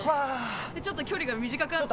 ちょっと距離が短くなって。